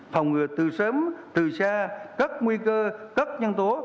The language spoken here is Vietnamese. phòng ngừa từ sớm từ xa cất nguy cơ cất nhân tố